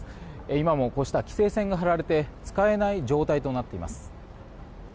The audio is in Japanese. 今も、こうした規制線が張られて使えない状態となっています。